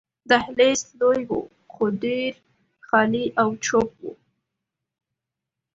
دهلېز لوی وو، خو ډېر خالي او چوپ وو.